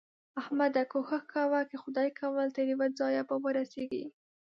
احمده! کوښښ کوه؛ که خدای کول تر يوه ځايه به ورسېږې.